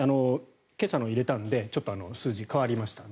今朝の入れたんでちょっと数字が原稿と変わりました。